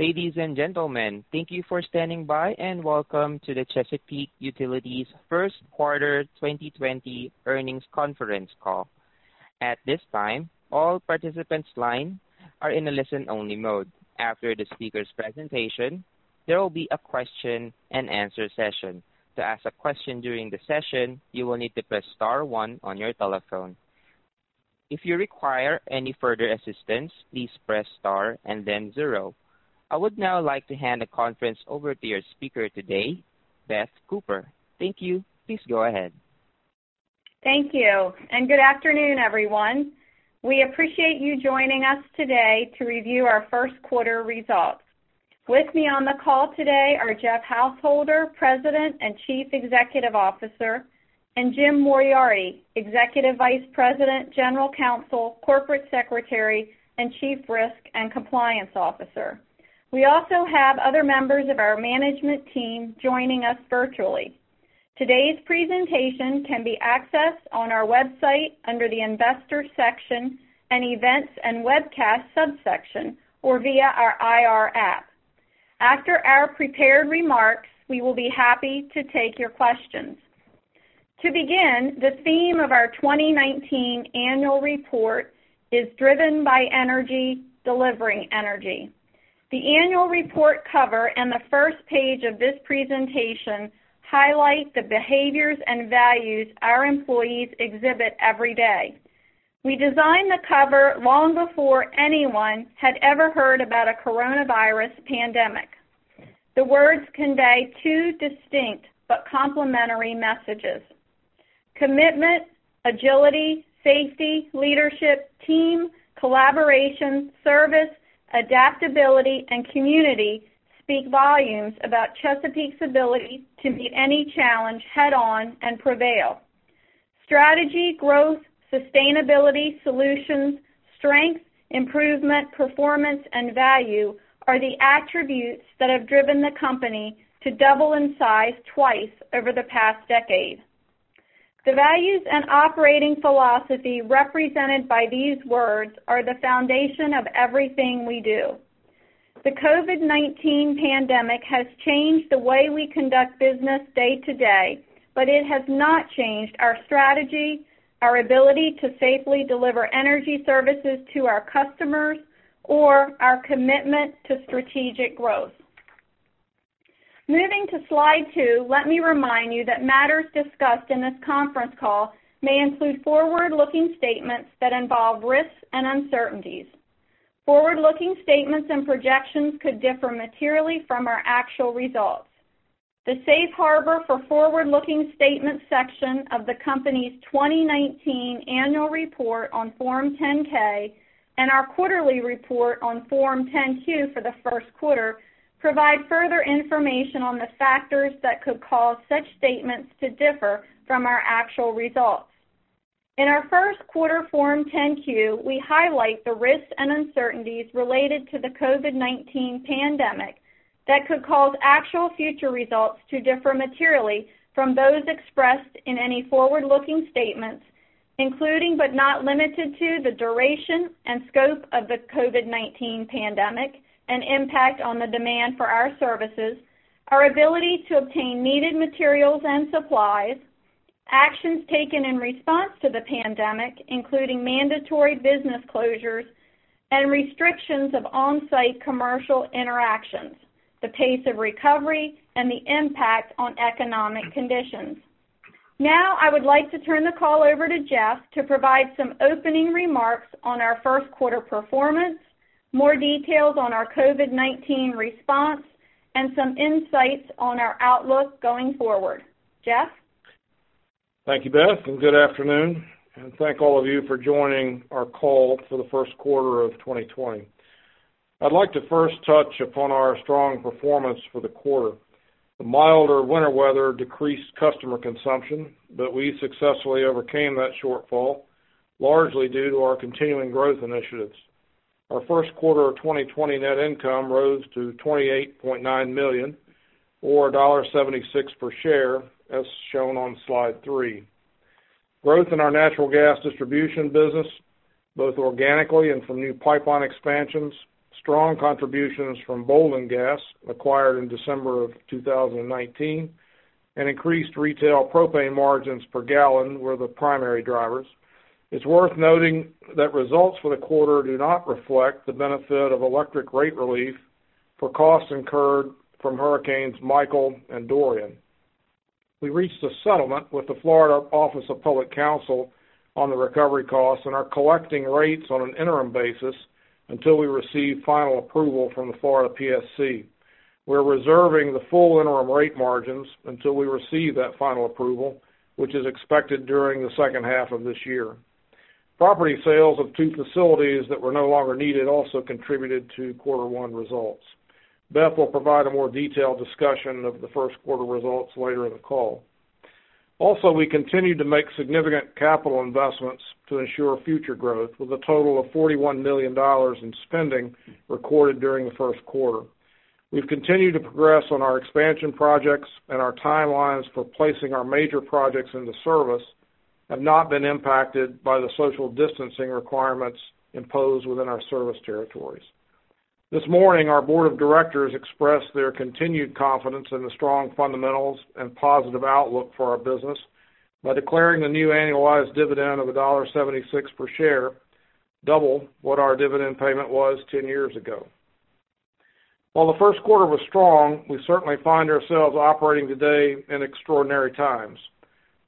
Ladies and gentlemen, thank you for standing by and welcome to the Chesapeake Utilities first quarter 2020 earnings conference call. At this time, all participants' lines are in a listen-only mode. After the speaker's presentation, there will be a question-and-answer session. To ask a question during the session, you will need to press star one on your telephone. If you require any further assistance, please press star and then zero. I would now like to hand the conference over to your speaker today, Beth Cooper. Thank you. Please go ahead. Thank you. And good afternoon, everyone. We appreciate you joining us today to review our first quarter results. With me on the call today are Jeff Householder, President and Chief Executive Officer, and Jim Moriarty, Executive Vice President, General Counsel, Corporate Secretary, and Chief Risk and Compliance Officer. We also have other members of our management team joining us virtually. Today's presentation can be accessed on our website under the Investor section and Events and Webcast subsection, or via our IR app. After our prepared remarks, we will be happy to take your questions. To begin, the theme of our 2019 annual report is "Driven by Energy, Delivering Energy." The annual report cover and the first page of this presentation highlight the behaviors and values our employees exhibit every day. We designed the cover long before anyone had ever heard about a coronavirus pandemic. The words convey two distinct but complementary messages: commitment, agility, safety, leadership, team, collaboration, service, adaptability, and community speak volumes about Chesapeake's ability to meet any challenge head-on and prevail. Strategy, growth, sustainability, solutions, strength, improvement, performance, and value are the attributes that have driven the company to double in size twice over the past decade. The values and operating philosophy represented by these words are the foundation of everything we do. The COVID-19 pandemic has changed the way we conduct business day to day, but it has not changed our strategy, our ability to safely deliver energy services to our customers, or our commitment to strategic growth. Moving to slide two, let me remind you that matters discussed in this conference call may include forward-looking statements that involve risks and uncertainties. Forward-looking statements and projections could differ materially from our actual results. The Safe Harbor for forward-looking statements section of the company's 2019 annual report on Form 10-K and our quarterly report on Form 10-Q for the first quarter provide further information on the factors that could cause such statements to differ from our actual results. In our first quarter Form 10-Q, we highlight the risks and uncertainties related to the COVID-19 pandemic that could cause actual future results to differ materially from those expressed in any forward-looking statements, including but not limited to the duration and scope of the COVID-19 pandemic and impact on the demand for our services, our ability to obtain needed materials and supplies, actions taken in response to the pandemic, including mandatory business closures and restrictions of on-site commercial interactions, the pace of recovery, and the impact on economic conditions. Now, I would like to turn the call over to Jeff to provide some opening remarks on our first quarter performance, more details on our COVID-19 response, and some insights on our outlook going forward. Jeff? Thank you, Beth, and good afternoon. Thank all of you for joining our call for the first quarter of 2020. I'd like to first touch upon our strong performance for the quarter. The milder winter weather decreased customer consumption, but we successfully overcame that shortfall, largely due to our continuing growth initiatives. Our first quarter of 2020 net income rose to $28.9 million, or $1.76 per share, as shown on slide three. Growth in our natural gas distribution business, both organically and from new pipeline expansions, strong contributions from Boulden acquired in December of 2019, and increased retail propane margins per gallon were the primary drivers. It's worth noting that results for the quarter do not reflect the benefit of electric rate relief for costs incurred from Hurricanes Michael and Dorian. We reached a settlement with the Florida Office of Public Counsel on the recovery costs and are collecting rates on an interim basis until we receive final approval from the Florida PSC. We're reserving the full interim rate margins until we receive that final approval, which is expected during the second half of this year. Property sales of two facilities that were no longer needed also contributed to quarter one results. Beth will provide a more detailed discussion of the first quarter results later in the call. Also, we continue to make significant capital investments to ensure future growth, with a total of $41 million in spending recorded during the first quarter. We've continued to progress on our expansion projects, and our timelines for placing our major projects into service have not been impacted by the social distancing requirements imposed within our service territories. This morning, our Board of Directors expressed their continued confidence in the strong fundamentals and positive outlook for our business by declaring the new annualized dividend of $1.76 per share, double what our dividend payment was 10 years ago. While the first quarter was strong, we certainly find ourselves operating today in extraordinary times.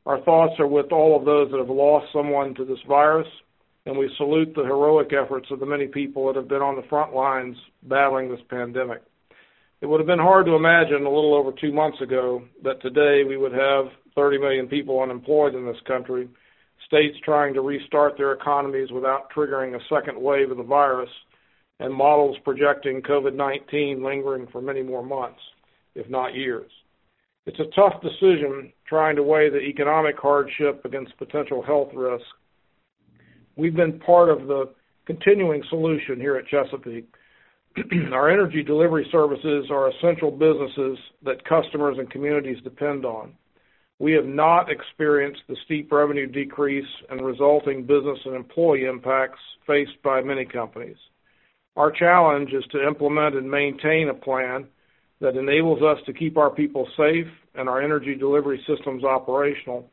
Our thoughts are with all of those that have lost someone to this virus, and we salute the heroic efforts of the many people that have been on the front lines battling this pandemic. It would have been hard to imagine a little over two months ago that today we would have 30 million people unemployed in this country, states trying to restart their economies without triggering a second wave of the virus, and models projecting COVID-19 lingering for many more months, if not years. It's a tough decision trying to weigh the economic hardship against potential health risks. We've been part of the continuing solution here at Chesapeake. Our energy delivery services are essential businesses that customers and communities depend on. We have not experienced the steep revenue decrease and resulting business and employee impacts faced by many companies. Our challenge is to implement and maintain a plan that enables us to keep our people safe and our energy delivery systems operational,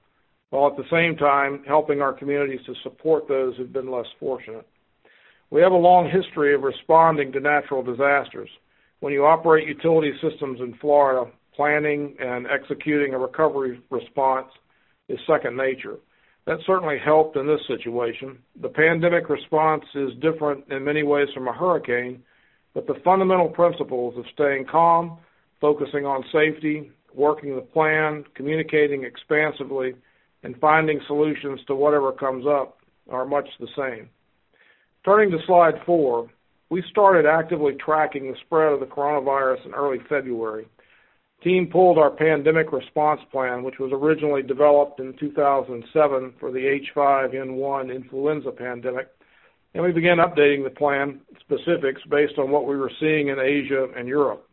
while at the same time helping our communities to support those who've been less fortunate. We have a long history of responding to natural disasters. When you operate utility systems in Florida, planning and executing a recovery response is second nature. That certainly helped in this situation. The pandemic response is different in many ways from a hurricane, but the fundamental principles of staying calm, focusing on safety, working the plan, communicating expansively, and finding solutions to whatever comes up are much the same. Turning to slide four, we started actively tracking the spread of the coronavirus in early February. Team pulled our pandemic response plan, which was originally developed in 2007 for the H5N1 influenza pandemic, and we began updating the plan specifics based on what we were seeing in Asia and Europe.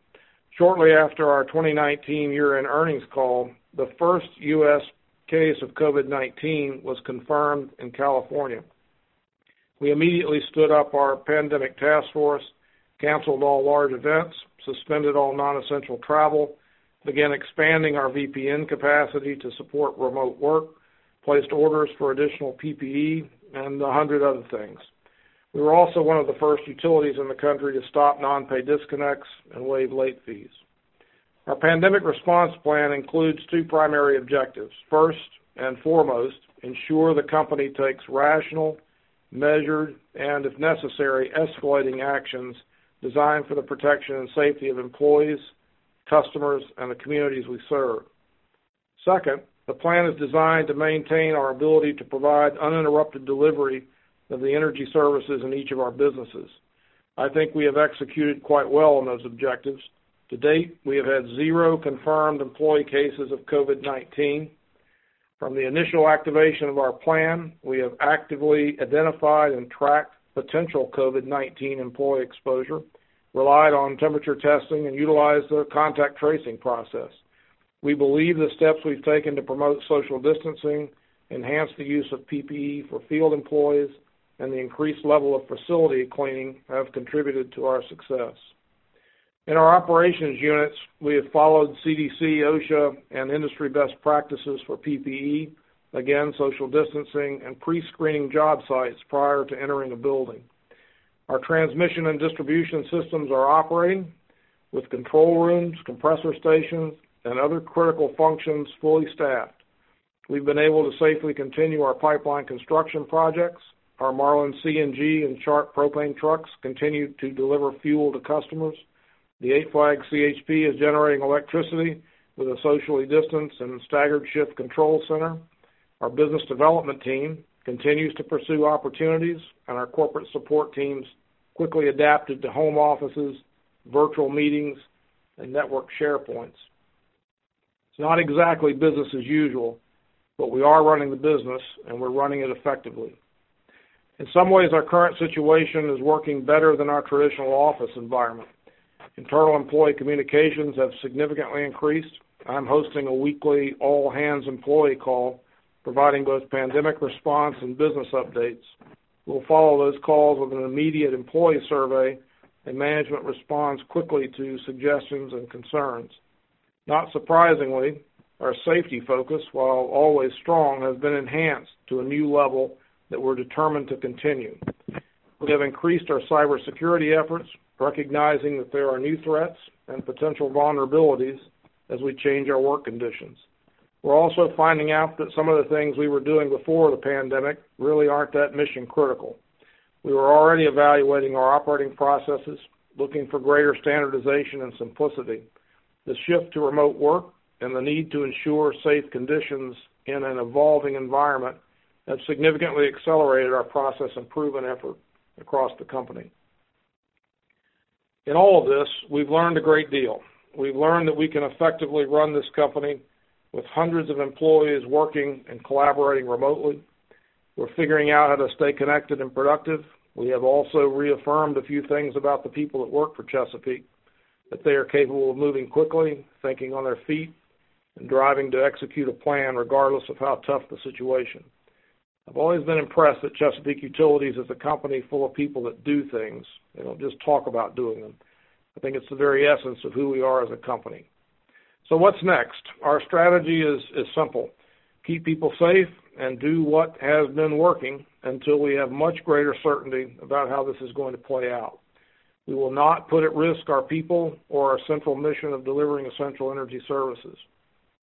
Shortly after our 2019 year-end earnings call, the first U.S. case of COVID-19 was confirmed in California. We immediately stood up our pandemic task force, canceled all large events, suspended all non-essential travel, began expanding our VPN capacity to support remote work, placed orders for additional PPE, and a hundred other things. We were also one of the first utilities in the country to stop non-pay disconnects and waive late fees. Our pandemic response plan includes two primary objectives. First and foremost, ensure the company takes rational, measured, and, if necessary, escalating actions designed for the protection and safety of employees, customers, and the communities we serve. Second, the plan is designed to maintain our ability to provide uninterrupted delivery of the energy services in each of our businesses. I think we have executed quite well on those objectives. To date, we have had zero confirmed employee cases of COVID-19. From the initial activation of our plan, we have actively identified and tracked potential COVID-19 employee exposure, relied on temperature testing, and utilized the contact tracing process. We believe the steps we've taken to promote social distancing, enhanced the use of PPE for field employees, and the increased level of facility cleaning have contributed to our success. In our operations units, we have followed CDC, OSHA, and industry best practices for PPE, again, social distancing, and pre-screening job sites prior to entering a building. Our transmission and distribution systems are operating with control rooms, compressor stations, and other critical functions fully staffed. We've been able to safely continue our pipeline construction projects. Our Marlin CNG and Sharp propane trucks continue to deliver fuel to customers. The Eight Flags CHP is generating electricity with a socially distanced and staggered shift control center. Our business development team continues to pursue opportunities, and our corporate support team's quickly adapted to home offices, virtual meetings, and network SharePoints. It's not exactly business as usual, but we are running the business, and we're running it effectively. In some ways, our current situation is working better than our traditional office environment. Internal employee communications have significantly increased. I'm hosting a weekly all-hands employee call, providing both pandemic response and business updates. We'll follow those calls with an immediate employee survey and management response quickly to suggestions and concerns. Not surprisingly, our safety focus, while always strong, has been enhanced to a new level that we're determined to continue. We have increased our cybersecurity efforts, recognizing that there are new threats and potential vulnerabilities as we change our work conditions. We're also finding out that some of the things we were doing before the pandemic really aren't that mission-critical. We were already evaluating our operating processes, looking for greater standardization and simplicity. The shift to remote work and the need to ensure safe conditions in an evolving environment have significantly accelerated our process improvement effort across the company. In all of this, we've learned a great deal. We've learned that we can effectively run this company with hundreds of employees working and collaborating remotely. We're figuring out how to stay connected and productive. We have also reaffirmed a few things about the people that work for Chesapeake, that they are capable of moving quickly, thinking on their feet, and driving to execute a plan regardless of how tough the situation. I've always been impressed that Chesapeake Utilities is a company full of people that do things. They don't just talk about doing them. I think it's the very essence of who we are as a company. So what's next? Our strategy is simple: keep people safe and do what has been working until we have much greater certainty about how this is going to play out. We will not put at risk our people or our central mission of delivering essential energy services.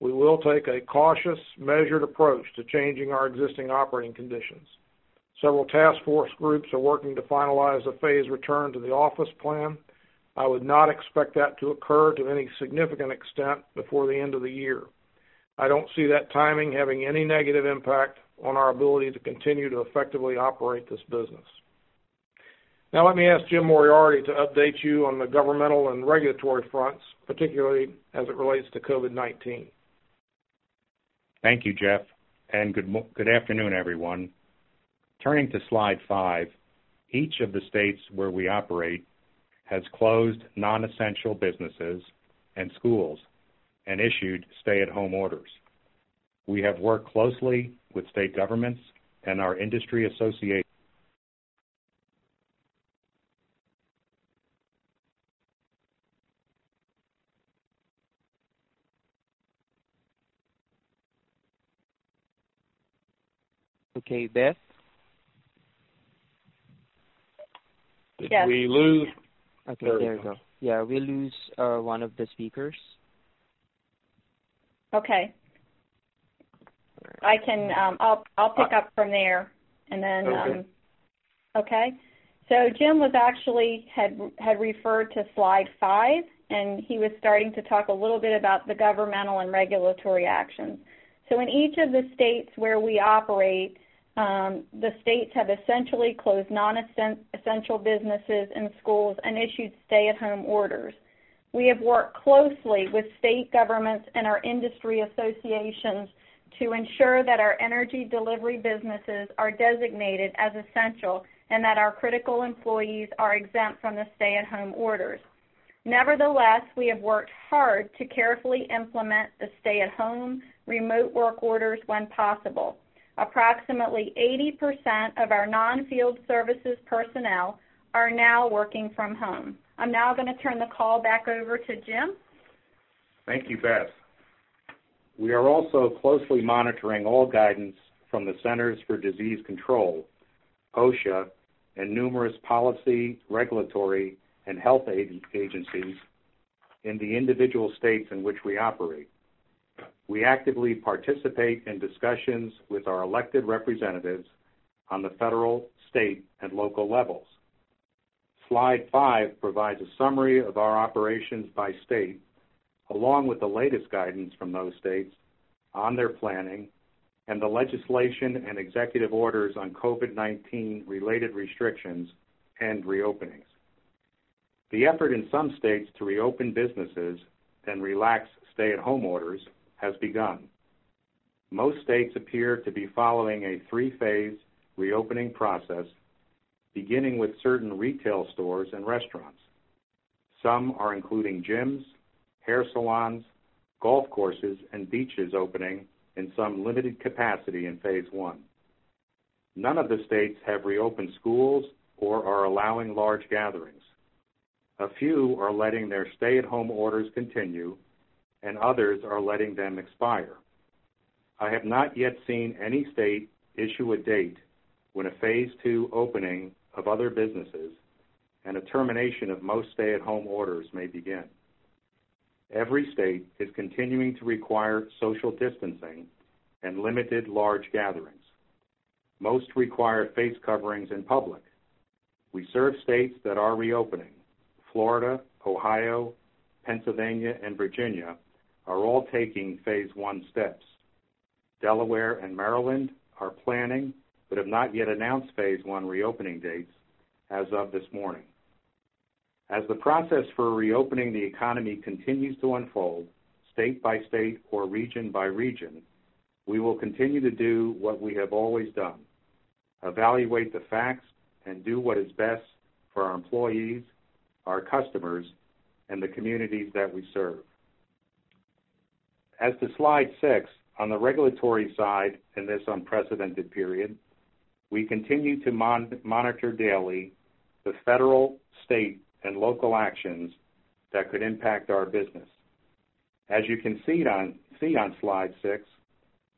We will take a cautious, measured approach to changing our existing operating conditions. Several task force groups are working to finalize a phased return to the office plan. I would not expect that to occur to any significant extent before the end of the year. I don't see that timing having any negative impact on our ability to continue to effectively operate this business. Now, let me ask Jim Moriarty to update you on the governmental and regulatory fronts, particularly as it relates to COVID-19. Thank you, Jeff, and good afternoon, everyone. Turning to slide five, each of the states where we operate has closed non-essential businesses and schools and issued stay-at-home orders. We have worked closely with state governments and our industry association. Okay, Beth? Did we lose? Okay, there we go. Yeah, we lose one of the speakers. Okay. I'll pick up from there. And then. That's okay. Okay? So Jim was actually had referred to slide five, and he was starting to talk a little bit about the governmental and regulatory actions. So in each of the states where we operate, the states have essentially closed non-essential businesses and schools and issued stay-at-home orders. We have worked closely with state governments and our industry associations to ensure that our energy delivery businesses are designated as essential and that our critical employees are exempt from the stay-at-home orders. Nevertheless, we have worked hard to carefully implement the stay-at-home, remote work orders when possible. Approximately 80% of our non-field services personnel are now working from home. I'm now going to turn the call back over to Jim. Thank you, Beth. We are also closely monitoring all guidance from the Centers for Disease Control, OSHA, and numerous policy, regulatory, and health agencies in the individual states in which we operate. We actively participate in discussions with our elected representatives on the federal, state, and local levels. Slide five provides a summary of our operations by state, along with the latest guidance from those states on their planning and the legislation and executive orders on COVID-19-related restrictions and reopenings. The effort in some states to reopen businesses and relax stay-at-home orders has begun. Most states appear to be following a three-phase reopening process, beginning with certain retail stores and restaurants. Some are including gyms, hair salons, golf courses, and beaches opening in some limited capacity in phase one. None of the states have reopened schools or are allowing large gatherings. A few are letting their stay-at-home orders continue, and others are letting them expire. I have not yet seen any state issue a date when a phase two opening of other businesses and a termination of most stay-at-home orders may begin. Every state is continuing to require social distancing and limited large gatherings. Most require face coverings in public. We serve states that are reopening. Florida, Ohio, Pennsylvania, and Virginia are all taking phase one steps. Delaware and Maryland are planning but have not yet announced phase one reopening dates as of this morning. As the process for reopening the economy continues to unfold state by state or region by region, we will continue to do what we have always done: evaluate the facts and do what is best for our employees, our customers, and the communities that we serve. As to slide six, on the regulatory side in this unprecedented period, we continue to monitor daily the federal, state, and local actions that could impact our business. As you can see on slide six,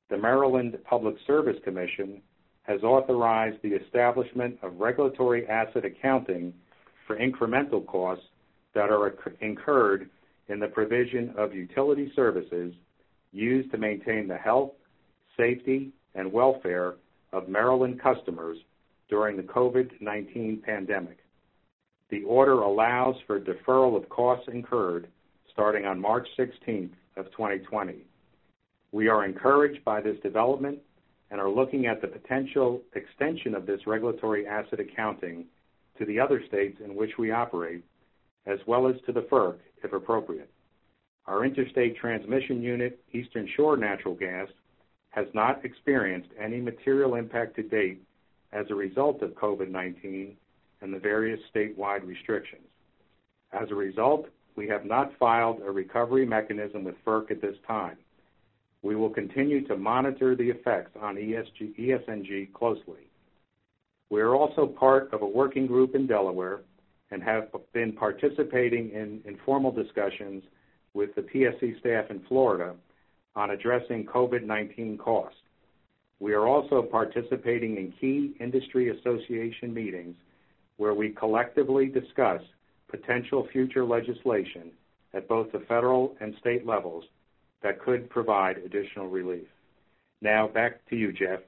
the Maryland Public Service Commission has authorized the establishment of regulatory asset accounting for incremental costs that are incurred in the provision of utility services used to maintain the health, safety, and welfare of Maryland customers during the COVID-19 pandemic. The order allows for deferral of costs incurred starting on March 16th of 2020. We are encouraged by this development and are looking at the potential extension of this regulatory asset accounting to the other states in which we operate, as well as to the FERC if appropriate. Our interstate transmission unit, Eastern Shore Natural Gas, has not experienced any material impact to date as a result of COVID-19 and the various statewide restrictions. As a result, we have not filed a recovery mechanism with FERC at this time. We will continue to monitor the effects on ESNG closely. We are also part of a working group in Delaware and have been participating in informal discussions with the PSC staff in Florida on addressing COVID-19 costs. We are also participating in key industry association meetings where we collectively discuss potential future legislation at both the federal and state levels that could provide additional relief. Now, back to you, Jeff.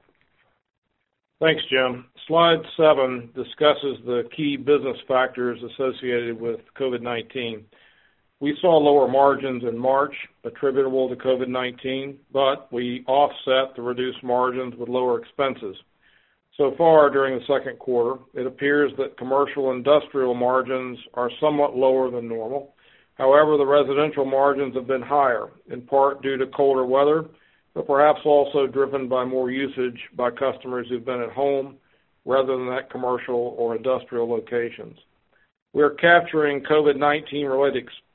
Thanks, Jim. Slide seven discusses the key business factors associated with COVID-19. We saw lower margins in March attributable to COVID-19, but we offset the reduced margins with lower expenses. So far, during the second quarter, it appears that commercial industrial margins are somewhat lower than normal. However, the residential margins have been higher, in part due to colder weather, but perhaps also driven by more usage by customers who've been at home rather than at commercial or industrial locations. We are capturing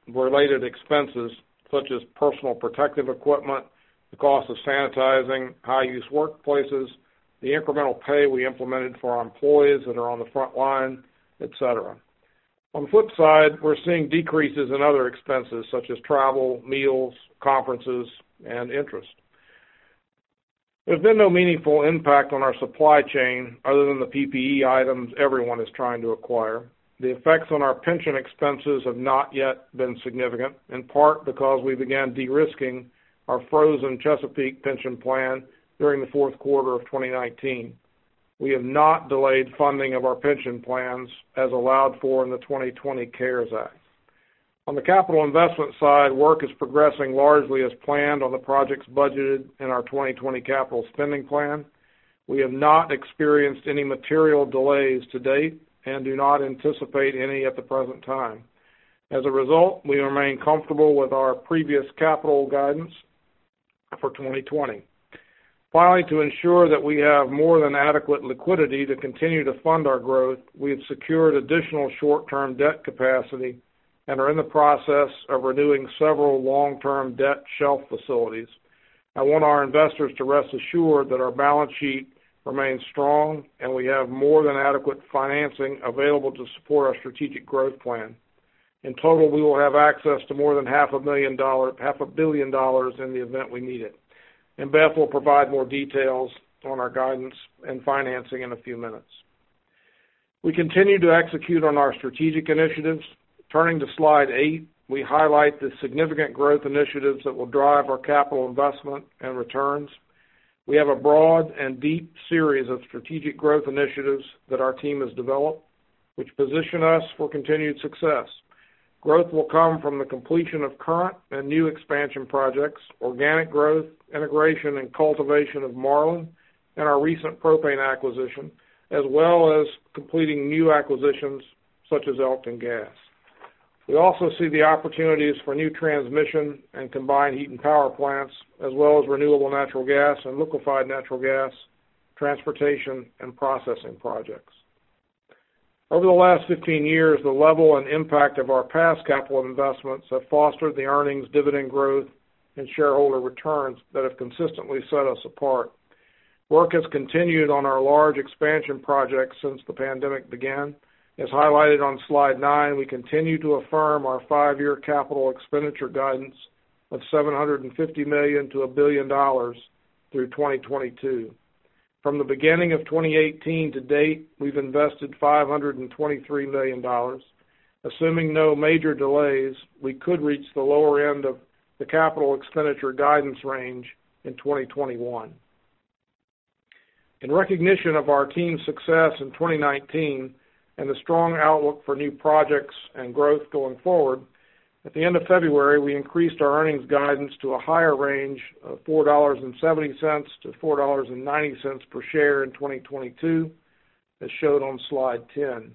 COVID-19-related expenses such as personal protective equipment, the cost of sanitizing, high-use workplaces, the incremental pay we implemented for our employees that are on the front line, etc. On the flip side, we're seeing decreases in other expenses such as travel, meals, conferences, and interest. There's been no meaningful impact on our supply chain other than the PPE items everyone is trying to acquire. The effects on our pension expenses have not yet been significant, in part because we began de-risking our frozen Chesapeake pension plan during the fourth quarter of 2019. We have not delayed funding of our pension plans as allowed for in the 2020 CARES Act. On the capital investment side, work is progressing largely as planned on the projects budgeted in our 2020 capital spending plan. We have not experienced any material delays to date and do not anticipate any at the present time. As a result, we remain comfortable with our previous capital guidance for 2020. Finally, to ensure that we have more than adequate liquidity to continue to fund our growth, we have secured additional short-term debt capacity and are in the process of renewing several long-term debt shelf facilities. I want our investors to rest assured that our balance sheet remains strong and we have more than adequate financing available to support our strategic growth plan. In total, we will have access to more than $500 million in the event we need it, and Beth will provide more details on our guidance and financing in a few minutes. We continue to execute on our strategic initiatives. Turning to slide eight, we highlight the significant growth initiatives that will drive our capital investment and returns. We have a broad and deep series of strategic growth initiatives that our team has developed, which position us for continued success. Growth will come from the completion of current and new expansion projects, organic growth, integration, and cultivation of Marlin, and our recent propane acquisition, as well as completing new acquisitions such as Elkton Gas. We also see the opportunities for new transmission and combined heat and power plants, as well as renewable natural gas and liquefied natural gas transportation and processing projects. Over the last 15 years, the level and impact of our past capital investments have fostered the earnings, dividend growth, and shareholder returns that have consistently set us apart. Work has continued on our large expansion projects since the pandemic began. As highlighted on slide nine, we continue to affirm our five-year capital expenditure guidance of $750 million-$1 billion through 2022. From the beginning of 2018 to date, we've invested $523 million. Assuming no major delays, we could reach the lower end of the capital expenditure guidance range in 2021. In recognition of our team's success in 2019 and the strong outlook for new projects and growth going forward, at the end of February, we increased our earnings guidance to a higher range of $4.70-$4.90 per share in 2022, as shown on slide 10.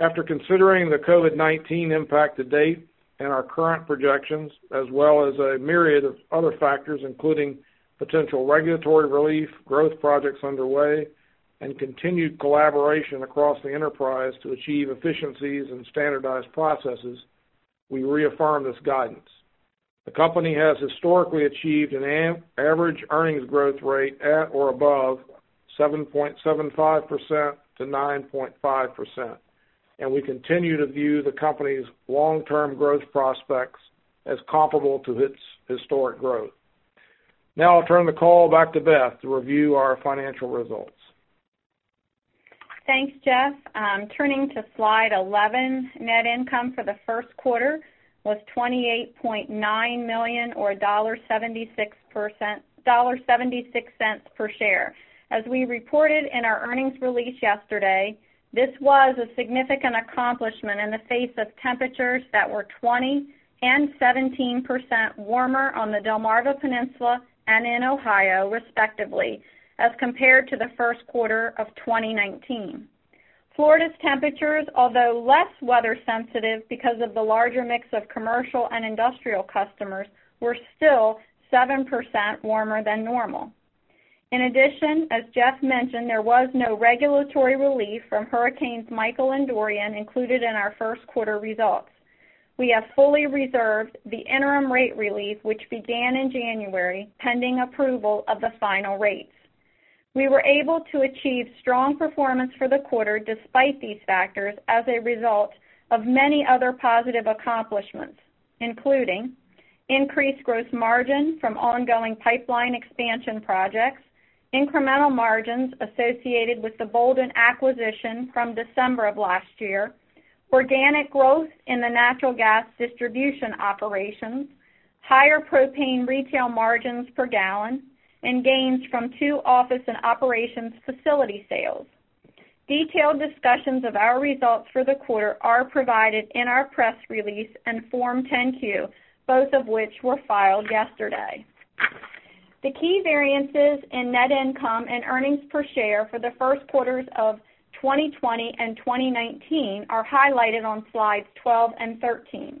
After considering the COVID-19 impact to date and our current projections, as well as a myriad of other factors, including potential regulatory relief, growth projects underway, and continued collaboration across the enterprise to achieve efficiencies and standardized processes, we reaffirm this guidance. The company has historically achieved an average earnings growth rate at or above 7.75%-9.5%, and we continue to view the company's long-term growth prospects as comparable to its historic growth. Now, I'll turn the call back to Beth to review our financial results. Thanks, Jeff. Turning to slide 11, net income for the first quarter was $28.9 million or $1.76 per share. As we reported in our earnings release yesterday, this was a significant accomplishment in the face of temperatures that were 20% and 17% warmer on the Delmarva Peninsula and in Ohio, respectively, as compared to the first quarter of 2019. Florida's temperatures, although less weather-sensitive because of the larger mix of commercial and industrial customers, were still 7% warmer than normal. In addition, as Jeff mentioned, there was no regulatory relief from Hurricanes Michael and Dorian included in our first quarter results. We have fully reserved the interim rate relief, which began in January, pending approval of the final rates. We were able to achieve strong performance for the quarter despite these factors as a result of many other positive accomplishments, including increased gross margin from ongoing pipeline expansion projects, incremental margins associated with the Boulden acquisition from December of last year, organic growth in the natural gas distribution operations, higher propane retail margins per gallon, and gains from two office and operations facility sales. Detailed discussions of our results for the quarter are provided in our press release and Form 10-Q, both of which were filed yesterday. The key variances in net income and earnings per share for the first quarters of 2020 and 2019 are highlighted on slides 12 and 13.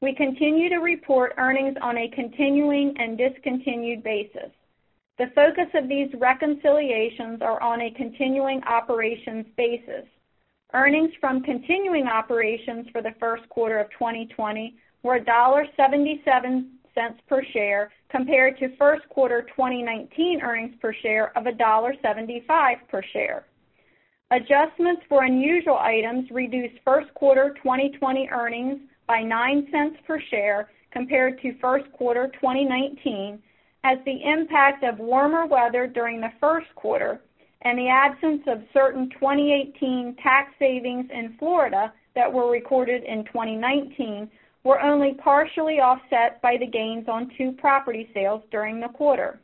We continue to report earnings on a continuing and discontinued basis. The focus of these reconciliations is on a continuing operations basis. Earnings from continuing operations for the first quarter of 2020 were $1.77 per share compared to first quarter 2019 earnings per share of $1.75 per share. Adjustments for unusual items reduced first quarter 2020 earnings by $0.09 per share compared to first quarter 2019, as the impact of warmer weather during the first quarter and the absence of certain 2018 tax savings in Florida that were recorded in 2019 were only partially offset by the gains on two property sales during the quarter.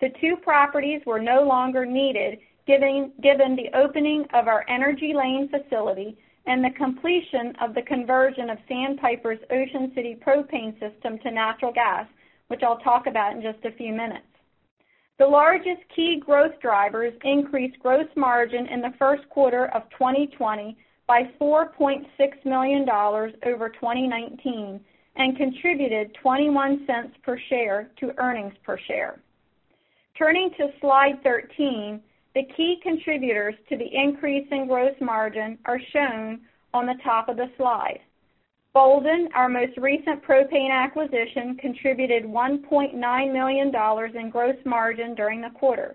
The two properties were no longer needed, given the opening of our Energy Lane facility and the completion of the conversion of Sandpiper's Ocean City propane system to natural gas, which I'll talk about in just a few minutes. The largest key growth drivers increased gross margin in the first quarter of 2020 by $4.6 million over 2019 and contributed $0.21 per share to earnings per share. Turning to slide 13, the key contributors to the increase in gross margin are shown on the top of the slide. Boulden, our most recent propane acquisition, contributed $1.9 million in gross margin during the quarter.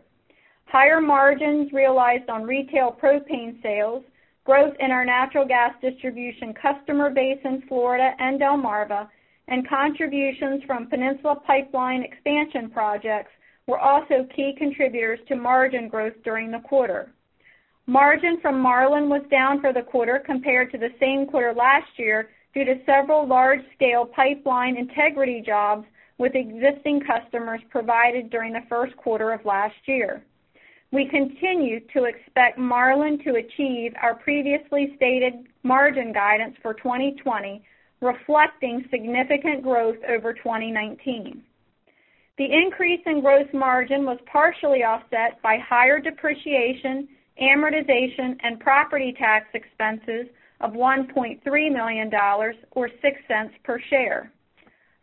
Higher margins realized on retail propane sales, growth in our natural gas distribution customer base in Florida and Delmarva, and contributions from Peninsula Pipeline expansion projects were also key contributors to margin growth during the quarter. Margin from Marlin was down for the quarter compared to the same quarter last year due to several large-scale pipeline integrity jobs with existing customers provided during the first quarter of last year. We continue to expect Marlin to achieve our previously stated margin guidance for 2020, reflecting significant growth over 2019. The increase in gross margin was partially offset by higher depreciation, amortization, and property tax expenses of $1.3 million, or $0.06 per share.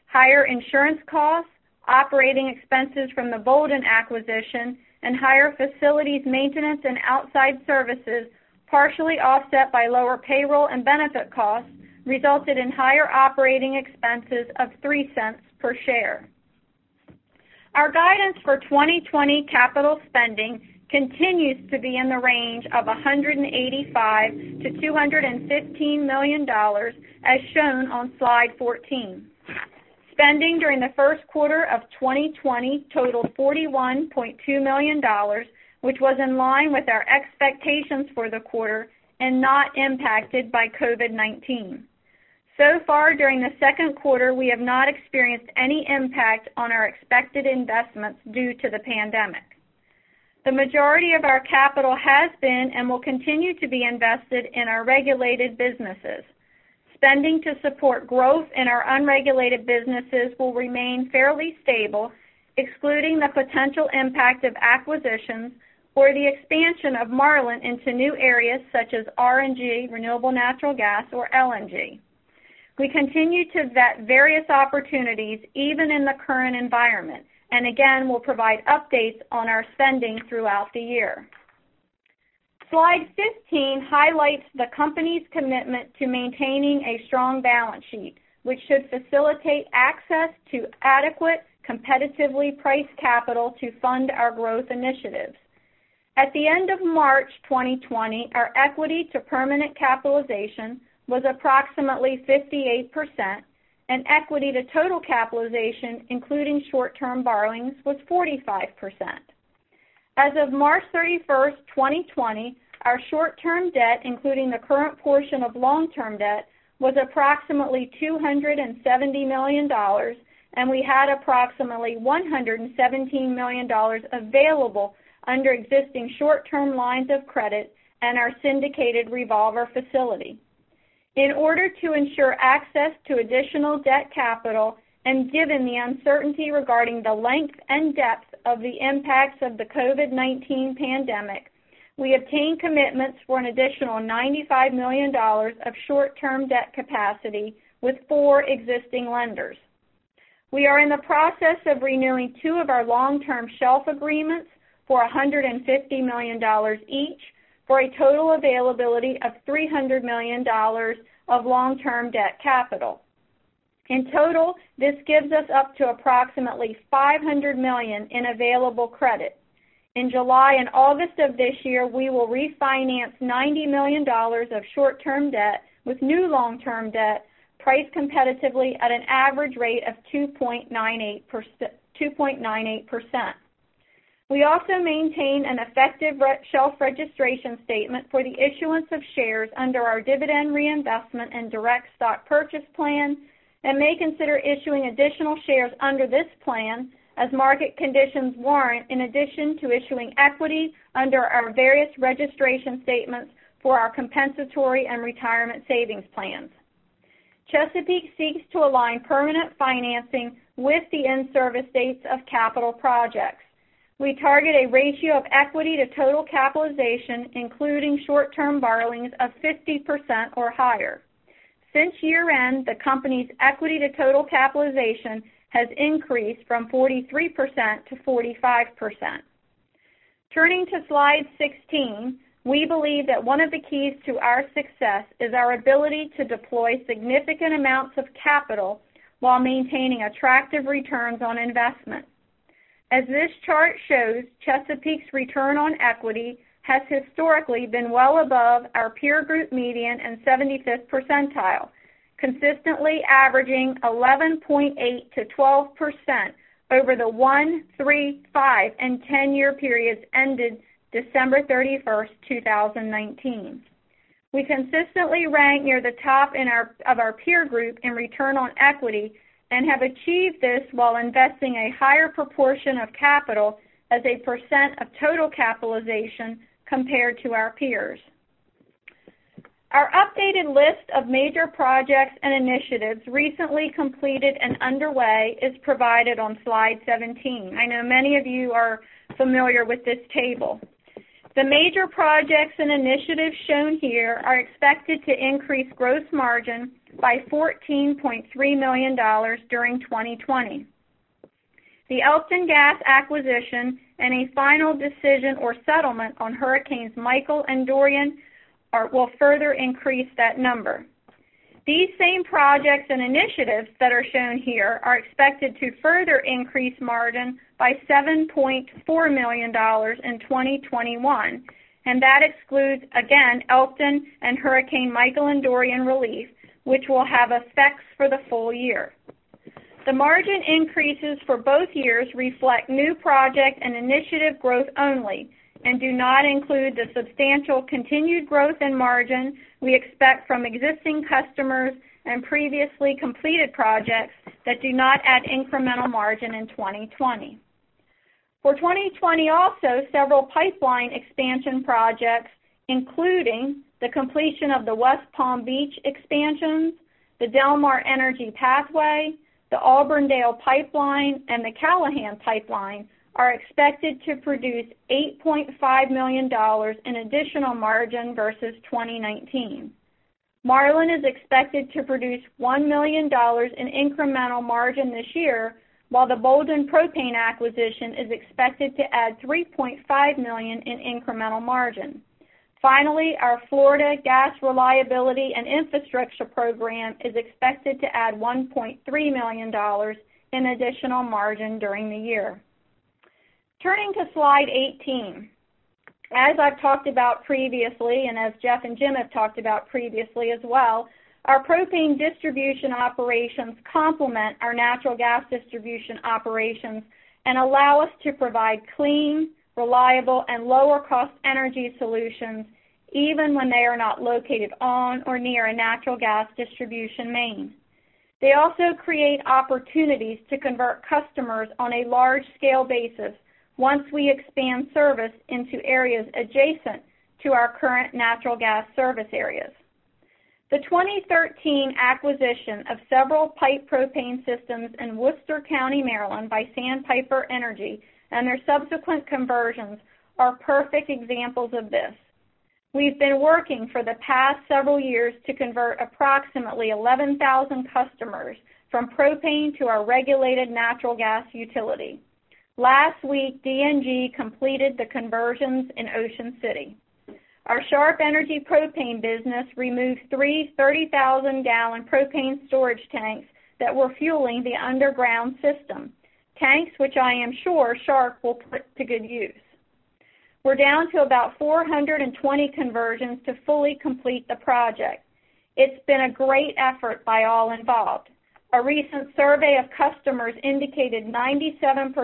Higher insurance costs, operating expenses from the Boulden acquisition, and higher facilities maintenance and outside services, partially offset by lower payroll and benefit costs, resulted in higher operating expenses of $0.03 per share. Our guidance for 2020 capital spending continues to be in the range of $185 million-$215 million, as shown on slide 14. Spending during the first quarter of 2020 totaled $41.2 million, which was in line with our expectations for the quarter and not impacted by COVID-19. So far, during the second quarter, we have not experienced any impact on our expected investments due to the pandemic. The majority of our capital has been and will continue to be invested in our regulated businesses. Spending to support growth in our unregulated businesses will remain fairly stable, excluding the potential impact of acquisitions or the expansion of Marlin into new areas such as RNG, renewable natural gas, or LNG. We continue to vet various opportunities even in the current environment, and again, we'll provide updates on our spending throughout the year. Slide 15 highlights the company's commitment to maintaining a strong balance sheet, which should facilitate access to adequate competitively priced capital to fund our growth initiatives. At the end of March 2020, our equity to permanent capitalization was approximately 58%, and equity to total capitalization, including short-term borrowings, was 45%. As of March 31st, 2020, our short-term debt, including the current portion of long-term debt, was approximately $270 million, and we had approximately $117 million available under existing short-term lines of credit and our syndicated revolver facility. In order to ensure access to additional debt capital, and given the uncertainty regarding the length and depth of the impacts of the COVID-19 pandemic, we obtained commitments for an additional $95 million of short-term debt capacity with four existing lenders. We are in the process of renewing two of our long-term shelf agreements for $150 million each for a total availability of $300 million of long-term debt capital. In total, this gives us up to approximately $500 million in available credit. In July and August of this year, we will refinance $90 million of short-term debt with new long-term debt priced competitively at an average rate of 2.98%. We also maintain an effective shelf registration statement for the issuance of shares under our Dividend Reinvestment and Direct Stock Purchase Plan and may consider issuing additional shares under this plan as market conditions warrant, in addition to issuing equity under our various registration statements for our compensatory and retirement savings plans. Chesapeake seeks to align permanent financing with the end service dates of capital projects. We target a ratio of equity to total capitalization, including short-term borrowings, of 50% or higher. Since year-end, the company's equity to total capitalization has increased from 43% to 45%. Turning to slide 16, we believe that one of the keys to our success is our ability to deploy significant amounts of capital while maintaining attractive returns on investment. As this chart shows, Chesapeake's return on equity has historically been well above our peer group median and 75th percentile, consistently averaging 11.8%-12% over the one, three, five, and 10-year periods ended December 31st, 2019. We consistently rank near the top of our peer group in return on equity and have achieved this while investing a higher proportion of capital as a percent of total capitalization compared to our peers. Our updated list of major projects and initiatives recently completed and underway is provided on slide 17. I know many of you are familiar with this table. The major projects and initiatives shown here are expected to increase gross margin by $14.3 million during 2020. The Elkton Gas acquisition and a final decision or settlement on Hurricanes Michael and Dorian will further increase that number. These same projects and initiatives that are shown here are expected to further increase margin by $7.4 million in 2021, and that excludes, again, Elkton and Hurricane Michael and Dorian relief, which will have effects for the full year. The margin increases for both years reflect new project and initiative growth only and do not include the substantial continued growth in margin we expect from existing customers and previously completed projects that do not add incremental margin in 2020. For 2020, also, several pipeline expansion projects, including the completion of the West Palm Beach expansions, the Delmar Energy Pathway, the Auburndale Pipeline, and the Callahan Pipeline, are expected to produce $8.5 million in additional margin versus 2019. Marlin is expected to produce $1 million in incremental margin this year, while the Boulden propane acquisition is expected to add $3.5 million in incremental margin. Finally, our Florida Gas Reliability and Infrastructure Program is expected to add $1.3 million in additional margin during the year. Turning to slide 18, as I've talked about previously and as Jeff and Jim have talked about previously as well, our propane distribution operations complement our natural gas distribution operations and allow us to provide clean, reliable, and lower-cost energy solutions even when they are not located on or near a natural gas distribution main. They also create opportunities to convert customers on a large-scale basis once we expand service into areas adjacent to our current natural gas service areas. The 2013 acquisition of several piped propane systems in Worcester County, Maryland, by Sandpiper Energy and their subsequent conversions are perfect examples of this. We've been working for the past several years to convert approximately 11,000 customers from propane to our regulated natural gas utility. Last week, ESNG completed the conversions in Ocean City. Our Sharp Energy propane business removed three 30,000-gal propane storage tanks that were fueling the underground system, tanks which I am sure Sharp will put to good use. We're down to about 420 conversions to fully complete the project. It's been a great effort by all involved. A recent survey of customers indicated 97%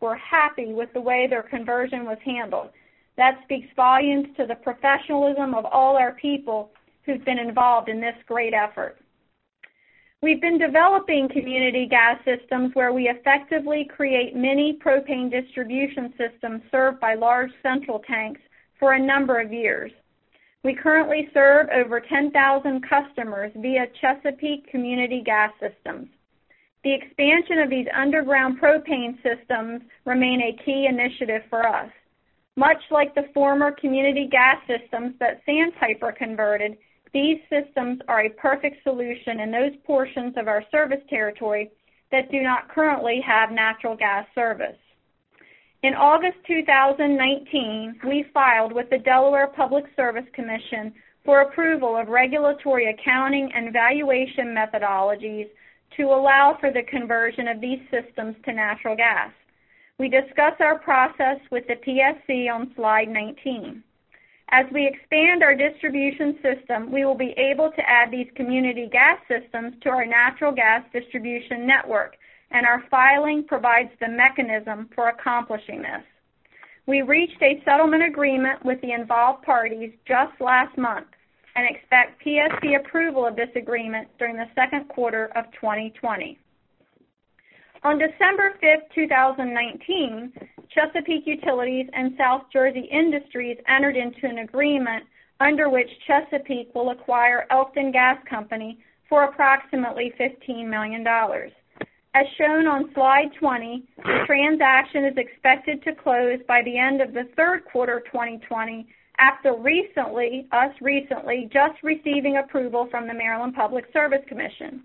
were happy with the way their conversion was handled. That speaks volumes to the professionalism of all our people who've been involved in this great effort. We've been developing community gas systems where we effectively create many propane distribution systems served by large central tanks for a number of years. We currently serve over 10,000 customers via Chesapeake Community Gas Systems. The expansion of these underground propane systems remains a key initiative for us. Much like the former community gas systems that Sandpiper converted, these systems are a perfect solution in those portions of our service territory that do not currently have natural gas service. In August 2019, we filed with the Delaware Public Service Commission for approval of regulatory accounting and valuation methodologies to allow for the conversion of these systems to natural gas. We discuss our process with the PSC on slide 19. As we expand our distribution system, we will be able to add these community gas systems to our natural gas distribution network, and our filing provides the mechanism for accomplishing this. We reached a settlement agreement with the involved parties just last month and expect PSC approval of this agreement during the second quarter of 2020. On December 5th, 2019, Chesapeake Utilities and South Jersey Industries entered into an agreement under which Chesapeake will acquire Elkton Gas Company for approximately $15 million. As shown on slide 20, the transaction is expected to close by the end of the third quarter of 2020 after us recently just receiving approval from the Maryland Public Service Commission.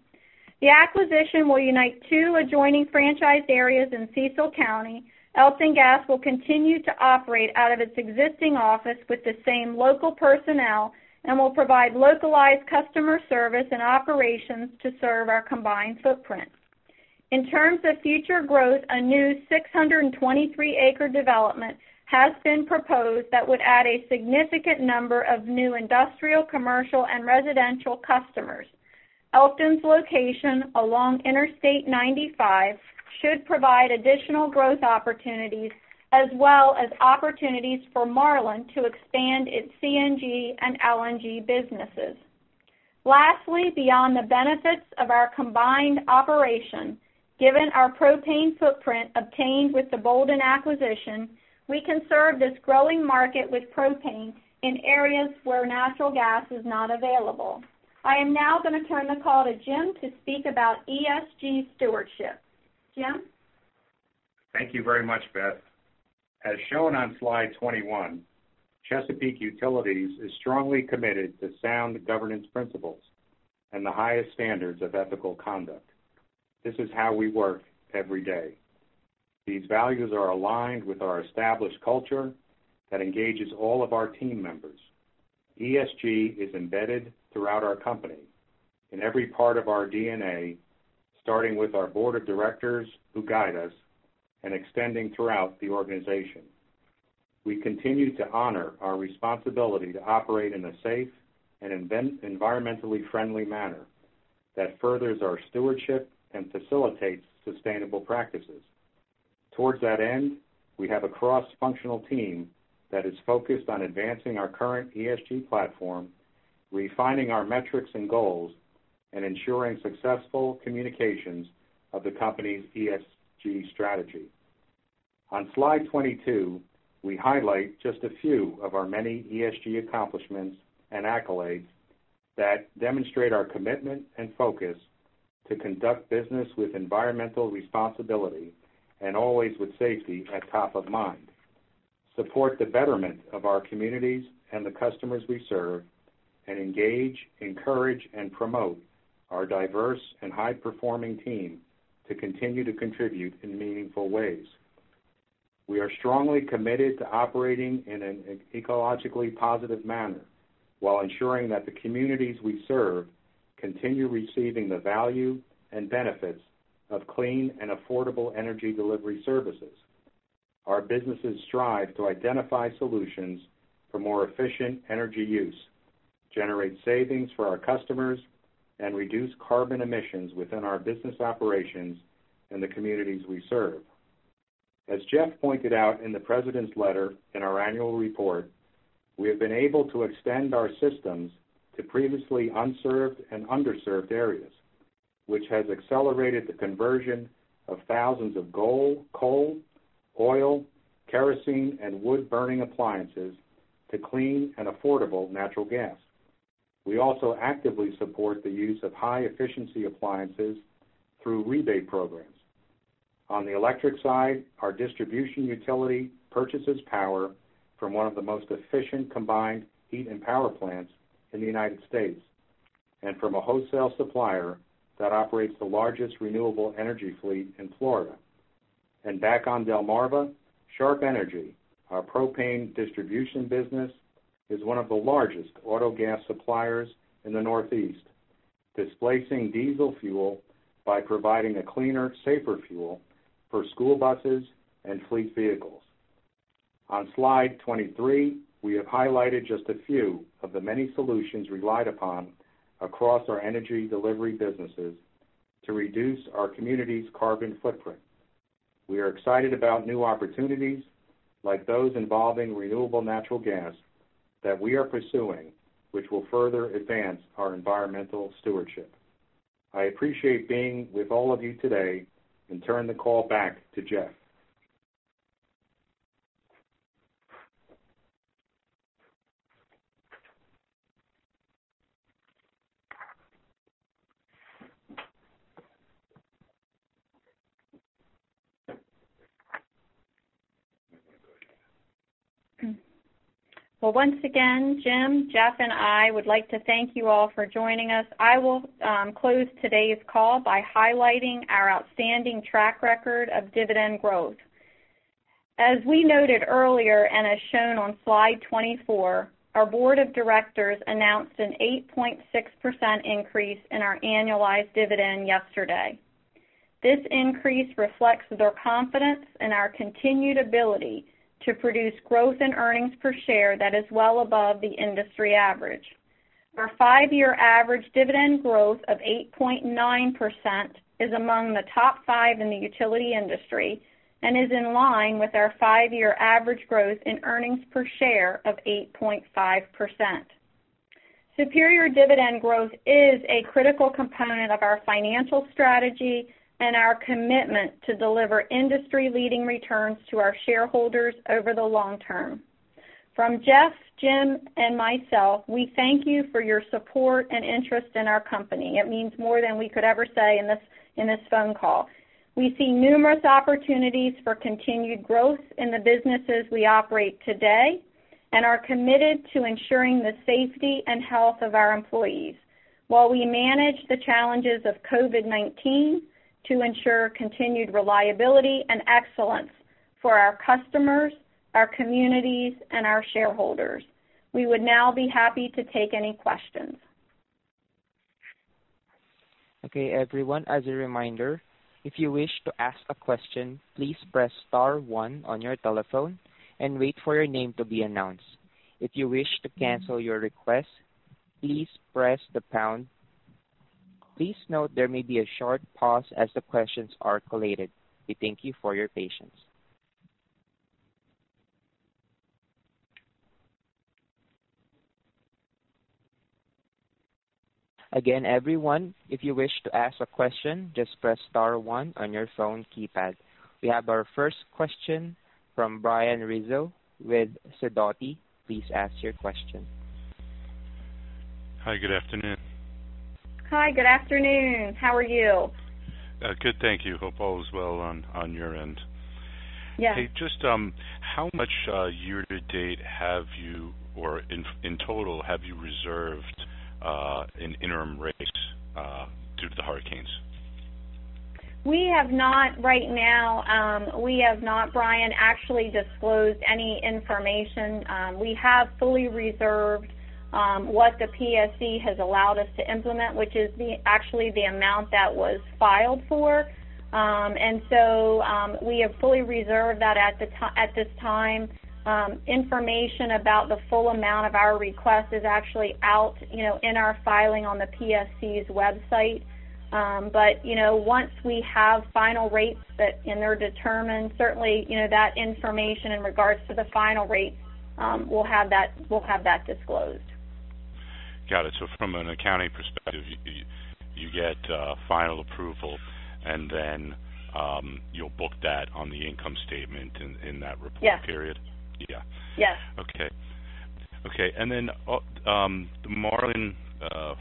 The acquisition will unite two adjoining franchise areas in Cecil County. Elkton Gas will continue to operate out of its existing office with the same local personnel and will provide localized customer service and operations to serve our combined footprint. In terms of future growth, a new 623-acre development has been proposed that would add a significant number of new industrial, commercial, and residential customers. Elkton's location along Interstate 95 should provide additional growth opportunities as well as opportunities for Marlin to expand its CNG and LNG businesses. Lastly, beyond the benefits of our combined operation, given our propane footprint obtained with the Boulden acquisition, we can serve this growing market with propane in areas where natural gas is not available. I am now going to turn the call to Jim to speak about ESG stewardship. Jim? Thank you very much, Beth. As shown on slide 21, Chesapeake Utilities is strongly committed to sound governance principles and the highest standards of ethical conduct. This is how we work every day. These values are aligned with our established culture that engages all of our team members. ESG is embedded throughout our company in every part of our DNA, starting with our Board of Directors who guide us and extending throughout the organization. We continue to honor our responsibility to operate in a safe and environmentally friendly manner that furthers our stewardship and facilitates sustainable practices. Toward that end, we have a cross-functional team that is focused on advancing our current ESG platform, refining our metrics and goals, and ensuring successful communications of the company's ESG strategy. On slide 22, we highlight just a few of our many ESG accomplishments and accolades that demonstrate our commitment and focus to conduct business with environmental responsibility and always with safety at top of mind, support the betterment of our communities and the customers we serve, and engage, encourage, and promote our diverse and high-performing team to continue to contribute in meaningful ways. We are strongly committed to operating in an ecologically positive manner while ensuring that the communities we serve continue receiving the value and benefits of clean and affordable energy delivery services. Our businesses strive to identify solutions for more efficient energy use, generate savings for our customers, and reduce carbon emissions within our business operations and the communities we serve. As Jeff pointed out in the president's letter in our annual report, we have been able to extend our systems to previously unserved and underserved areas, which has accelerated the conversion of thousands of coal, oil, kerosene, and wood-burning appliances to clean and affordable natural gas. We also actively support the use of high-efficiency appliances through rebate programs. On the electric side, our distribution utility purchases power from one of the most efficient combined heat and power plants in the United States and from a wholesale supplier that operates the largest renewable energy fleet in Florida. Back on Delmarva, Sharp Energy, our propane distribution business, is one of the largest Autogas suppliers in the Northeast, displacing diesel fuel by providing a cleaner, safer fuel for school buses and fleet vehicles. On slide 23, we have highlighted just a few of the many solutions relied upon across our energy delivery businesses to reduce our community's carbon footprint. We are excited about new opportunities like those involving renewable natural gas that we are pursuing, which will further advance our environmental stewardship. I appreciate being with all of you today and turn the call back to Jeff. Once again, Jim, Jeff, and I would like to thank you all for joining us. I will close today's call by highlighting our outstanding track record of dividend growth. As we noted earlier and as shown on slide 24, our board of directors announced an 8.6% increase in our annualized dividend yesterday. This increase reflects their confidence in our continued ability to produce growth in earnings per share that is well above the industry average. Our five-year average dividend growth of 8.9% is among the top five in the utility industry and is in line with our five-year average growth in earnings per share of 8.5%. Superior dividend growth is a critical component of our financial strategy and our commitment to deliver industry-leading returns to our shareholders over the long term. From Jeff, Jim, and myself, we thank you for your support and interest in our company. It means more than we could ever say in this phone call. We see numerous opportunities for continued growth in the businesses we operate today and are committed to ensuring the safety and health of our employees while we manage the challenges of COVID-19 to ensure continued reliability and excellence for our customers, our communities, and our shareholders. We would now be happy to take any questions. Okay, everyone, as a reminder, if you wish to ask a question, please press star one on your telephone and wait for your name to be announced. If you wish to cancel your request, please press the pound. Please note there may be a short pause as the questions are collated. We thank you for your patience. Again, everyone, if you wish to ask a question, just press star one on your phone keypad. We have our first question from Brian Russo with Sidoti. Please ask your question. Hi, good afternoon. Hi, good afternoon. How are you? Good, thank you. Hope all is well on your end. Yeah. Hey, just how much year-to-date have you, or in total, have you reserved in interim rates due to the hurricanes? We have not right now. We have not, Brian, actually disclosed any information. We have fully reserved what the PSC has allowed us to implement, which is actually the amount that was filed for. And so we have fully reserved that at this time. Information about the full amount of our request is actually out in our filing on the PSC's website. But once we have final rates that are determined, certainly that information in regards to the final rates will have that disclosed. Got it. So from an accounting perspective, you get final approval, and then you'll book that on the income statement in that report period? Yes. Yes. Okay. Okay. Then the Marlin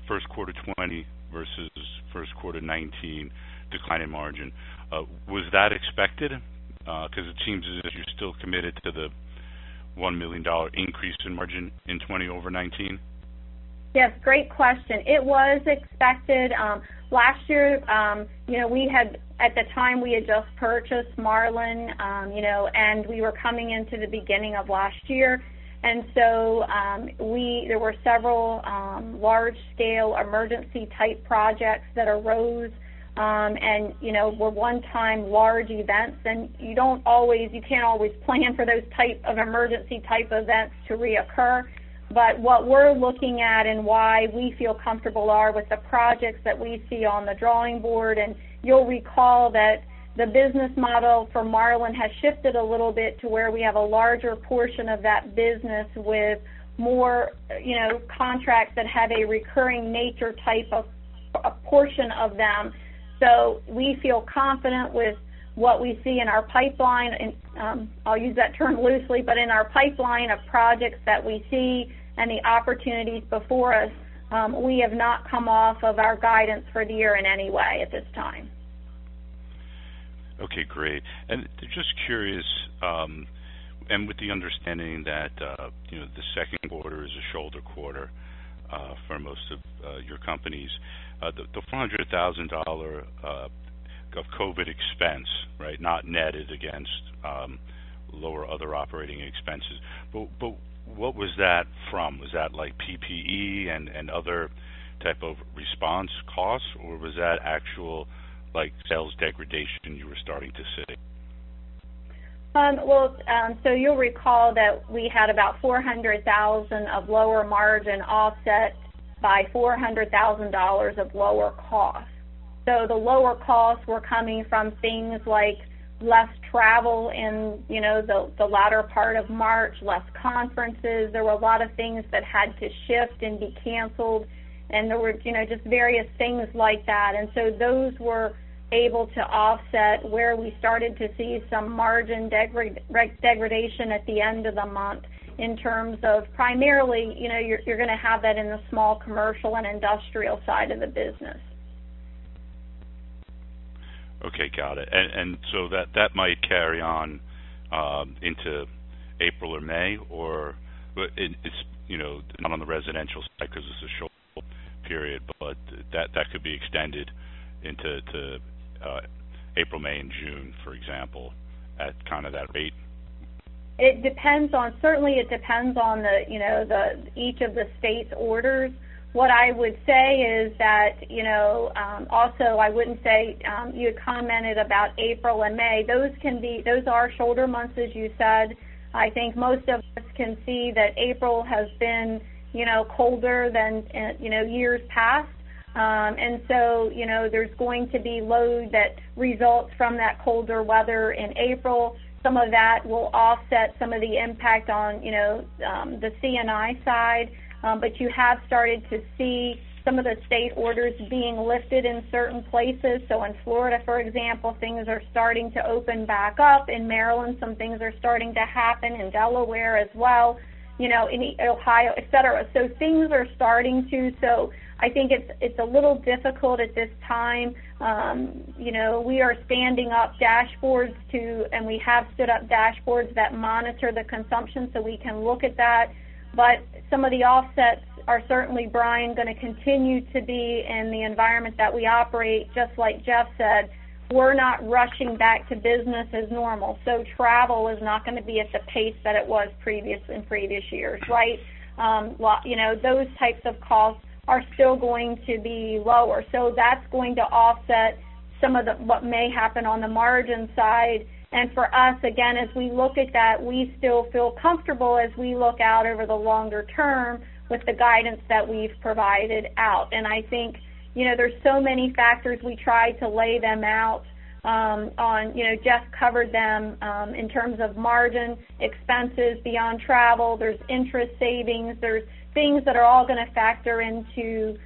first quarter 2020 versus first quarter 2019 declining margin, was that expected? Because it seems as if you're still committed to the $1 million increase in margin in 2020 over 2019. Yes. Great question. It was expected. Last year, at the time, we had just purchased Marlin, and we were coming into the beginning of last year. And so there were several large-scale emergency-type projects that arose and were one-time large events. And you can't always plan for those types of emergency-type events to reoccur. But what we're looking at and why we feel comfortable are with the projects that we see on the drawing board. And you'll recall that the business model for Marlin has shifted a little bit to where we have a larger portion of that business with more contracts that have a recurring nature type of portion of them. We feel confident with what we see in our pipeline. I'll use that term loosely. But in our pipeline of projects that we see and the opportunities before us, we have not come off of our guidance for the year in any way at this time. Okay, great. And just curious, and with the understanding that the second quarter is a shoulder quarter for most of your companies, the $400,000 of COVID expense, right, not netted against lower other operating expenses. But what was that from? Was that PPE and other type of response costs, or was that actual sales degradation you were starting to see? Well, so you'll recall that we had about $400,000 of lower margin offset by $400,000 of lower costs. So the lower costs were coming from things like less travel in the latter part of March, less conferences. There were a lot of things that had to shift and be canceled, and there were just various things like that. And so those were able to offset where we started to see some margin degradation at the end of the month in terms of primarily you're going to have that in the small commercial and industrial side of the business. Okay, got it. And so that might carry on into April or May, or it's not on the residential side because it's a short period, but that could be extended into April, May, and June, for example, at kind of that rate? It depends, certainly it depends on each of the state orders. What I would say is that also I wouldn't say you commented about April and May. Those are shoulder months, as you said. I think most of us can see that April has been colder than years past. And so there's going to be load that results from that colder weather in April. Some of that will offset some of the impact on the C&I side. But you have started to see some of the state orders being lifted in certain places. So in Florida, for example, things are starting to open back up. In Maryland, some things are starting to happen. In Delaware as well. In Ohio, etc. So things are starting to—so I think it's a little difficult at this time. We are standing up dashboards too, and we have stood up dashboards that monitor the consumption so we can look at that. But some of the offsets are certainly, Brian, going to continue to be in the environment that we operate. Just like Jeff said, we're not rushing back to business as normal. So travel is not going to be at the pace that it was previous in previous years, right? Those types of costs are still going to be lower. So that's going to offset some of what may happen on the margin side. And for us, again, as we look at that, we still feel comfortable as we look out over the longer term with the guidance that we've provided out. And I think there's so many factors. We tried to lay them out on. Jeff covered them in terms of margins, expenses beyond travel. There's interest savings. There's things that are all going to factor into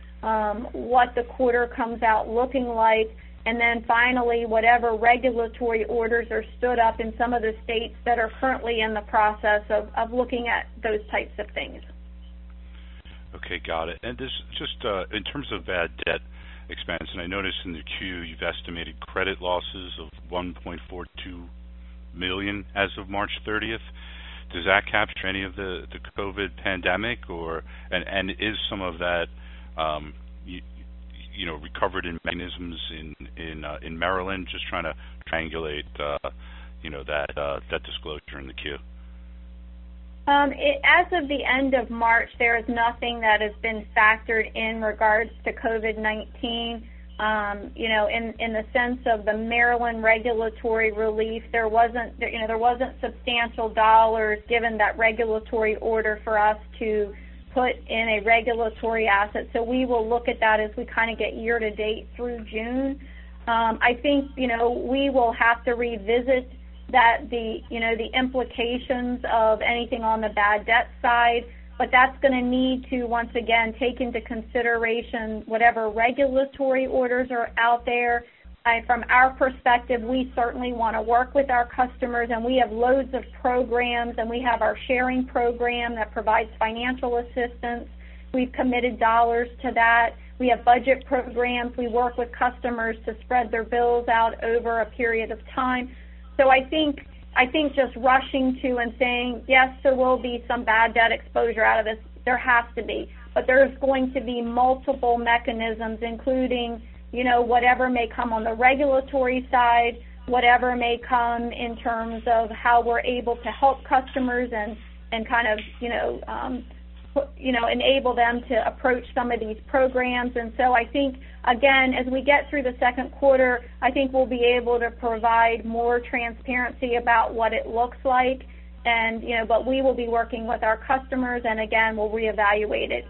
what the quarter comes out looking like. And then finally, whatever regulatory orders are stood up in some of the states that are currently in the process of looking at those types of things. Okay, got it. And just in terms of that debt expense, and I noticed in the Q you've estimated credit losses of $1.42 million as of March 30th. Does that capture any of the COVID pandemic? And is some of that recovered in mechanisms in Maryland? Just trying to triangulate that disclosure in the Q. As of the end of March, there is nothing that has been factored in regards to COVID-19. In the sense of the Maryland regulatory relief, there wasn't substantial dollars given that regulatory order for us to put in a regulatory asset. So we will look at that as we kind of get year-to-date through June. I think we will have to revisit the implications of anything on the bad debt side, but that's going to need to, once again, take into consideration whatever regulatory orders are out there. From our perspective, we certainly want to work with our customers, and we have loads of programs, and we have our SHARING program that provides financial assistance. We've committed dollars to that. We have budget programs. We work with customers to spread their bills out over a period of time, so I think just rushing to and saying, "Yes, there will be some bad debt exposure out of this," there has to be, but there's going to be multiple mechanisms, including whatever may come on the regulatory side, whatever may come in terms of how we're able to help customers and kind of enable them to approach some of these programs. I think, again, as we get through the second quarter, we'll be able to provide more transparency about what it looks like. But we will be working with our customers. We'll reevaluate it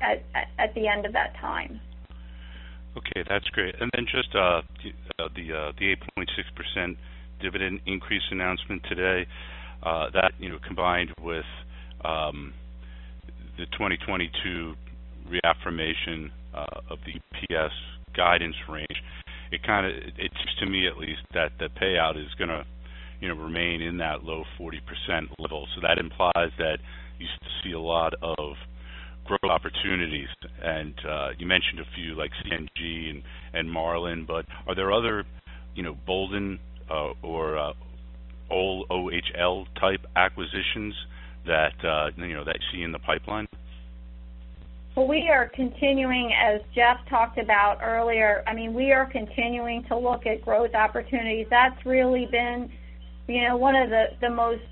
at the end of that time. Okay, that's great. Then just the 8.6% dividend increase announcement today, that combined with the 2022 reaffirmation of the EPS guidance range, it seems to me, at least, that the payout is going to remain in that low 40% level. That implies that you see a lot of growth opportunities. You mentioned a few like CNG and Marlin. Are there other Boulden or Ohio-type acquisitions that you see in the pipeline? We are continuing, as Jeff talked about earlier. I mean, we are continuing to look at growth opportunities. That's really been one of the most,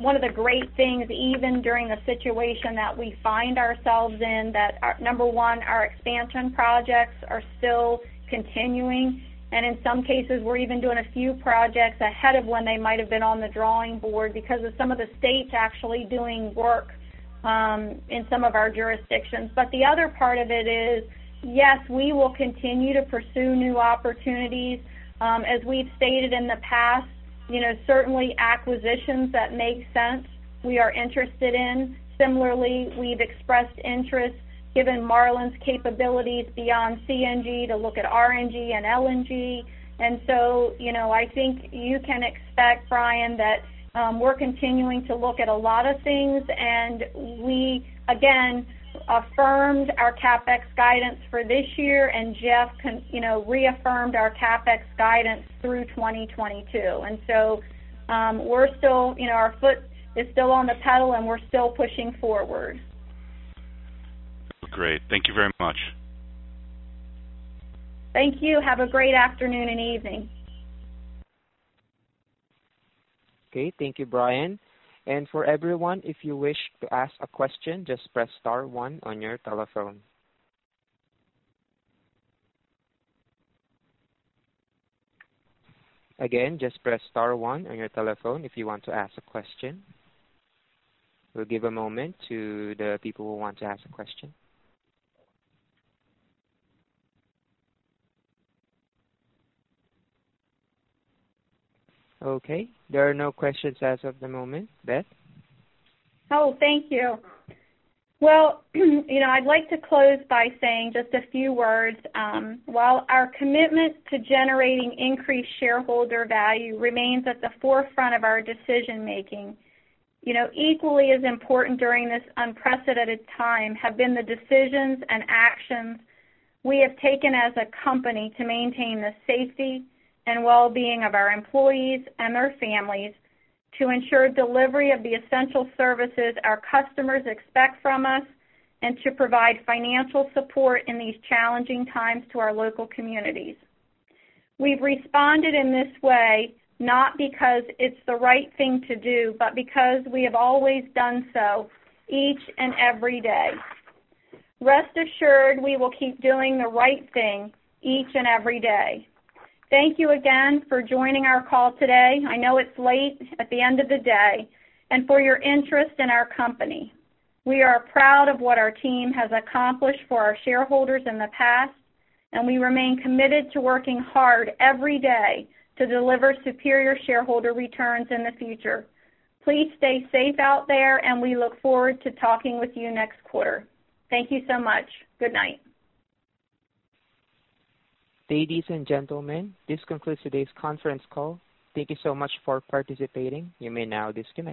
one of the great things, even during the situation that we find ourselves in, that number one, our expansion projects are still continuing. And in some cases, we're even doing a few projects ahead of when they might have been on the drawing board because of some of the states actually doing work in some of our jurisdictions. But the other part of it is, yes, we will continue to pursue new opportunities. As we've stated in the past, certainly acquisitions that make sense, we are interested in. Similarly, we've expressed interest, given Marlin's capabilities beyond CNG, to look at RNG and LNG. And so I think you can expect, Brian, that we're continuing to look at a lot of things. And we, again, affirmed our CapEx guidance for this year. And Jeff reaffirmed our CapEx guidance through 2022. And so we're still, our foot is still on the pedal, and we're still pushing forward. Great. Thank you very much. Thank you. Have a great afternoon and evening. Okay, thank you, Brian. And for everyone, if you wish to ask a question, just press star one on your telephone. Again, just press star one on your telephone if you want to ask a question. We'll give a moment to the people who want to ask a question. Okay. There are no questions as of the moment. Beth? Oh, thank you. Well, I'd like to close by saying just a few words. While our commitment to generating increased shareholder value remains at the forefront of our decision-making, equally as important during this unprecedented time have been the decisions and actions we have taken as a company to maintain the safety and well-being of our employees and their families to ensure delivery of the essential services our customers expect from us and to provide financial support in these challenging times to our local communities. We've responded in this way not because it's the right thing to do, but because we have always done so each and every day. Rest assured, we will keep doing the right thing each and every day. Thank you again for joining our call today. I know it's late at the end of the day and for your interest in our company. We are proud of what our team has accomplished for our shareholders in the past. And we remain committed to working hard every day to deliver superior shareholder returns in the future. Please stay safe out there, and we look forward to talking with you next quarter. Thank you so much. Good night. Ladies and gentlemen, this concludes today's conference call. Thank you so much for participating. You may now disconnect.